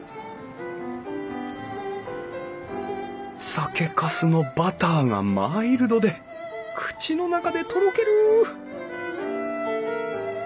酒かすのバターがマイルドで口の中でとろける！